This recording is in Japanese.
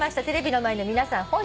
テレビの前の皆さん